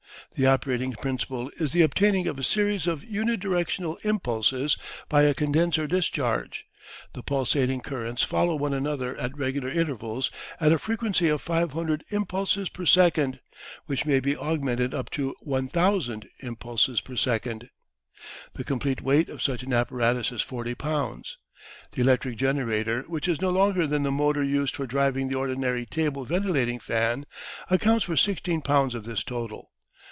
The operating principle is the obtaining of a series of unidirectional impulses by a condenser discharge, the pulsating currents following one another at regular intervals at a frequency of 500 impulses per second, which may be augmented up to 1,000 impulses per second. The complete weight of such an apparatus is 40 pounds; the electric generator, which is no larger than the motor used for driving the ordinary table ventilating fan, accounts for 16 pounds of this total.